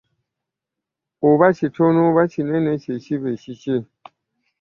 Oba kitono oba kinene ky'ekiba ekikye .